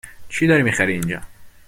چی داری می خری اینجا؟